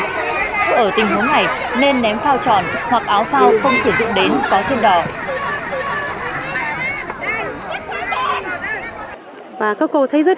ở tình huống này nên ném phao tròn hoặc áo phao không sử dụng đến có trên đò